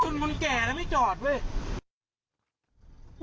คนคนแก่แล้วไม่จอดเว้ย